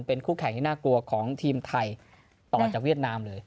เป็นคู่แข่งที่น่ากลัวของทีมไทยต่อจากเวียดนามเลย